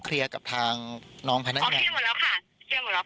เคลียร์กับทางน้องพนักงานอ๋อเคลียร์หมดแล้วค่ะเคลียร์หมดแล้วค่ะ